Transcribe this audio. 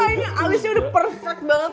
ini alisnya udah perfect banget